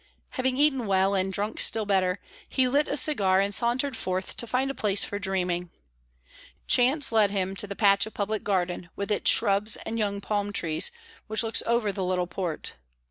Having eaten well and drunk still better, he lit a cigar and sauntered forth to find a place for dreaming. Chance led him to the patch of public garden, with its shrubs and young palm trees, which looks over the little port.